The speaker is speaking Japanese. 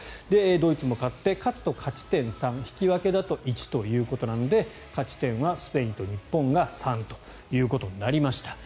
ドイツも勝って勝つと勝ち点３引き分けだと１ということなので勝ち点はスペインと日本が３ということになりました。